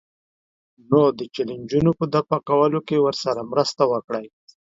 نو د چیلنجونو په دفع کولو کې ورسره مرسته وکړئ.